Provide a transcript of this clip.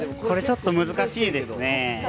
ちょっと難しいですね。